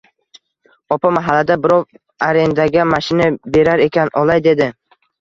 Opa mahallada birov arendaga mashina berar ekan, olay, dedi